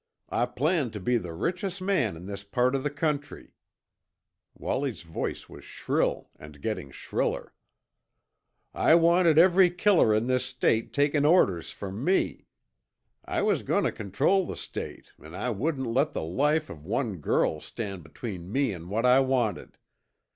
I planned to be the richest man in this part of the country!" Wallie's voice was shrill and getting shriller. "I wanted every killer in this state takin' orders from me. I was goin' to control the state an' I wouldn't let the life of one girl stand between me an' what I wanted.